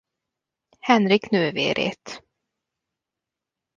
Henrik nővérét.